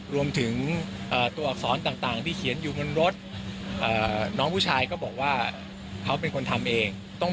รวมถึงตัวอักษรต่างที่เขียนอยู่บนรถ